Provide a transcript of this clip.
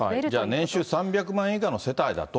年収３００万円以下の世帯だと。